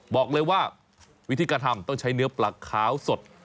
บอกเลยว่าวิธีการทำต้องใช้เนื้อปลาขาวสด